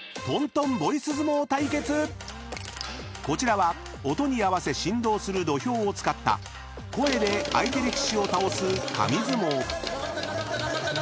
［こちらは音に合わせ振動する土俵を使った声で相手力士を倒す紙相撲］